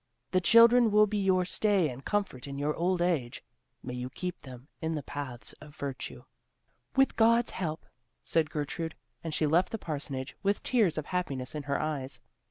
The children will be your stay and comfort in your old age. May you keep them in the paths of virtue." "With God's help;" said Gertrude, and she left the parsonage with tears of happiness in her eyes.